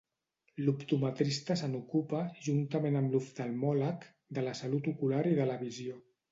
L'optometrista se n'ocupa, juntament amb l'oftalmòleg, de la salut ocular i de la visió.